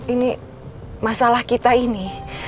ini masalah kita ini